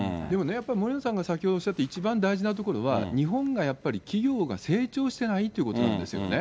やっぱり、森永さんが先ほどおっしゃった一番大事なところは、日本がやっぱり企業が成長してないってことなんですよね。